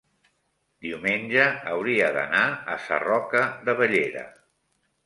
diumenge hauria d'anar a Sarroca de Bellera.